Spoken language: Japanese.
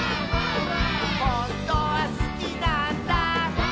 「ほんとはすきなんだ」